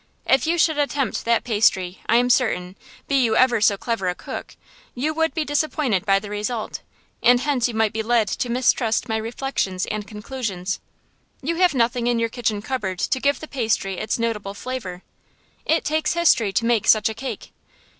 If you should attempt that pastry, I am certain, be you ever so clever a cook, you would be disappointed by the result; and hence you might be led to mistrust my reflections and conclusions. You have nothing in your kitchen cupboard to give the pastry its notable flavor. It takes history to make such a cake.